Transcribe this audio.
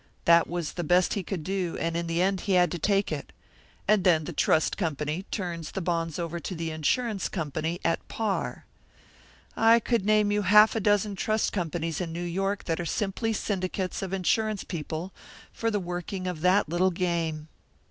That was the best he could do, and in the end he had to take it. And then the trust company turns the bonds over to the insurance company at par. I could name you half a dozen trust companies in New York that are simply syndicates of insurance people for the working of that little game."